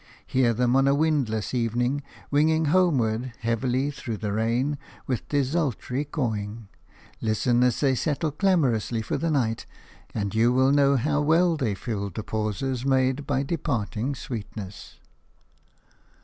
Hear them on a windless evening, winging homeward heavily through the rain, with desultory cawing! Listen as they settle clamorously for the night and you will know how well they fill the pauses made by departing sweetness.